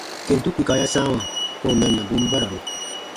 Kentu kpika ya sãawa kɔ̃ɔ mɛnnabun bararu.